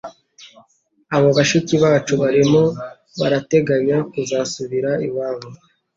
abo bashiki bacu barimo barateganya kuzasubira iwabo